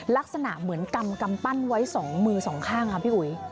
ลักษณะเหมือนกำปั้นไว้๒มือสองข้างค่ะพี่อุ๋ย